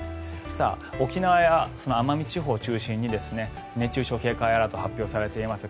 沖縄や奄美地方を中心に熱中症警戒アラートが発表されています。